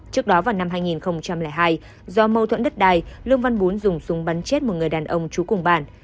trước đó vào năm hai nghìn hai do mâu thuẫn đất đai lương văn bún dùng súng bắn chết một người đàn ông trú cùng bản